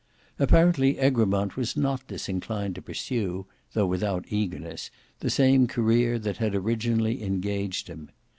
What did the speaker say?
Apparently Egremont was not disinclined to pursue, though without eagerness, the same career that had originally engaged him.